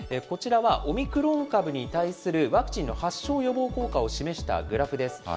こちらは、オミクロン株に対するワクチンの発症予防効果を示したグラフです。